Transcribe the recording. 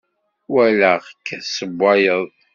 Walaɣ-k tessewwayeḍ.